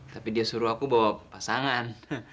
tapi dia suruh aku bawa pasangan